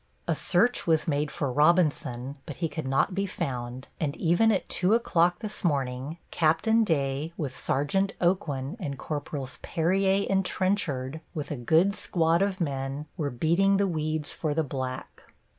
A search was made for Robinson, but he could not be found, and even at 2 o'clock this morning Captain Day, with Sergeant Aucoin and Corporals Perrier and Trenchard, with a good squad of men, were beating the weeds for the black.